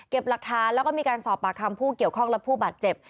หลักฐานแล้วก็มีการสอบปากคำผู้เกี่ยวข้องและผู้บาดเจ็บ